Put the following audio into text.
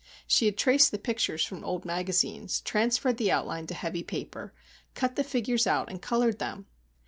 She had traced the pictures from old magazines, transferred the outline to heavy paper, cut the figures out and coloured them.